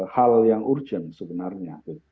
hal yang urgent sebenarnya